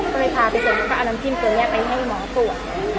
ก็เลยพาไปส่งแล้วก็เอาน้ำจิ้มตัวนี้ไปให้หมอตรวจ